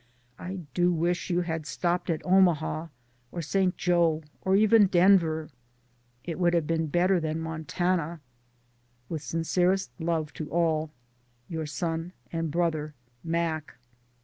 I do wish you had stopped at Omaha, or St. Jo, or even Denver. It would have been better than Montana. With sincerest love to all, Your son and brother, Mac.